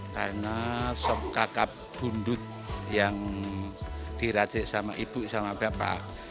karena sob kakak bu undut yang dirajek sama ibu sama bapak